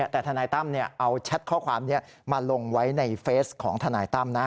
แต่ทนายตั้มเอาแชทข้อความนี้มาลงไว้ในเฟสของทนายตั้มนะ